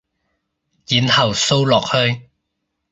然後掃落去